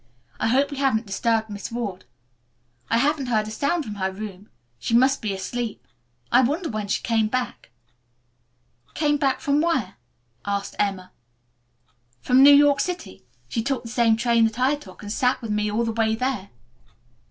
"I hope we haven't disturbed Miss Ward. I haven't heard a sound from her room. She must be asleep. I wonder when she came back." "Came back from where?" asked Emma. "From New York City. She took the same train that I took and sat with me all the way there."